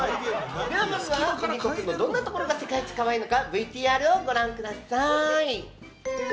うにこ君のどんなところが世界一可愛いのかＶＴＲをご覧ください。